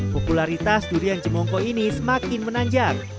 popularitas durian jemongko ini semakin menanjak